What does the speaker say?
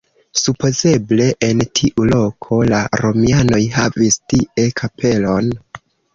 Supozeble en tiu loko la romianoj havis tie kapelon.